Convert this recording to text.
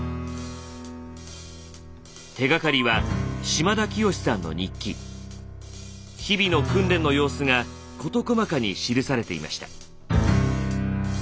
手がかりは日々の訓練の様子が事細かに記されていました。